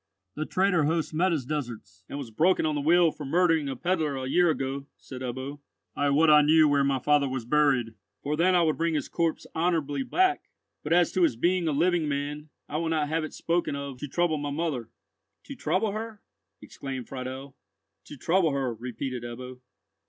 "The traitor host met his deserts, and was broken on the wheel for murdering a pedlar a year ago," said Ebbo. "I would I knew where my father was buried, for then would I bring his corpse honourably back; but as to his being a living man, I will not have it spoken of to trouble my mother." "To trouble her?" exclaimed Friedel. "To trouble her," repeated Ebbo.